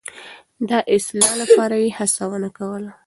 د اصلاح لپاره يې هڅونه کاروله.